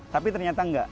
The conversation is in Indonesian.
tapi ternyata enggak